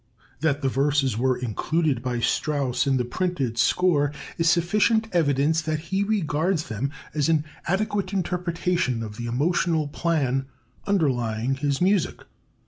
That the verses were included by Strauss in the printed score is sufficient evidence that he regards them as an adequate interpretation of the emotional plan underlying his music.